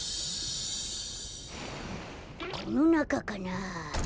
このなかかな？